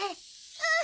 うん！